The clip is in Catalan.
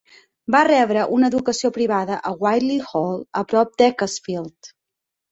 Va rebre una educació privada a Whitley Hall a prop d'Ecclesfield.